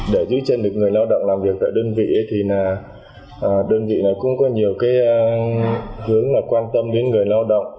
để giữ chân được người lao động làm việc tại đơn vị thì đơn vị này cũng có nhiều hướng quan tâm đến người lao động